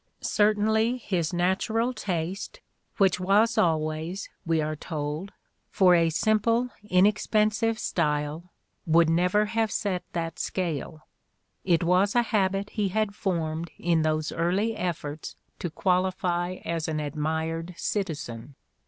Certainly his natural taste, which was always, we are told, for a siiiple, in expensive style, would never have set that scale: it was a habit he had formed in those early efforts to qualify as an admired citizen.